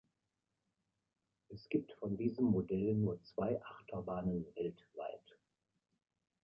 Es gibt von diesem Modell nur zwei Achterbahnen weltweit.